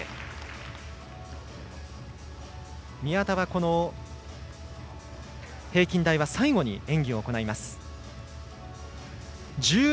宮田は平均台は最後に演技を行います。１２．８６６。